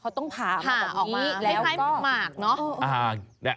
เขาต้องผ่ามาแบบนี้แล้วก็ผ่าออกมาไม่ใช่หมากเนอะ